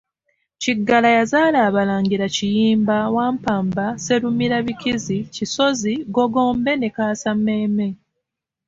Kiggala yazaala Abalangira Kiyimba, Wampamba Sserumirabikizi, Kisozi, Googombe ne Kaasammeeme.